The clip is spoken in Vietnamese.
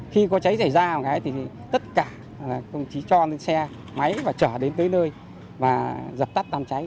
khi có cháy xảy ra thì tất cả công chí cho lên xe máy và chở đến tới nơi và dập tắt làm cháy